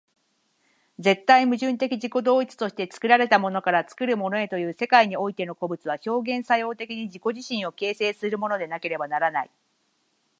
絶対矛盾的自己同一として、作られたものから作るものへという世界においての個物は、表現作用的に自己自身を形成するものでなければならない。